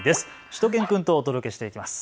しゅと犬くんとお届けしていきます。